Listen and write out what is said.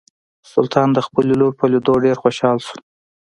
سلطان د خپلې لور په لیدو ډیر خوشحاله شو.